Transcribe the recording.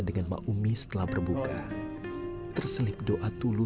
saya berdoa kepada bapak